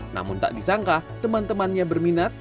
namun tak disangka teman temannya berminat